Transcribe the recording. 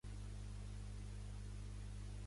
Detingut al Maresme un home acusat d'abusos sexuals.